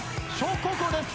北高校です。